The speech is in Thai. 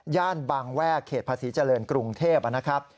บางแวกเขตภาษีเจริญกรุงเทพนะครับ